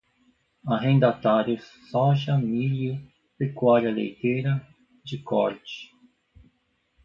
arrendatários, soja, milho, pecuária leiteira, de corte